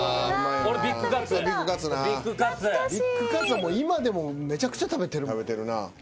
ビッグカツは今でもめちゃくちゃ食べてる。